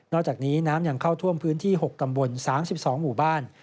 อกจากนี้น้ำยังเข้าท่วมพื้นที่๖ตำบล๓๒หมู่บ้าน